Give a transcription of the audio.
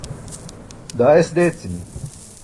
daa es deecimi